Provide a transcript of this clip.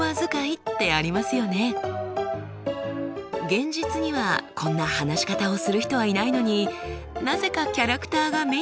現実にはこんな話し方をする人はいないのになぜかキャラクターが目に浮かぶ。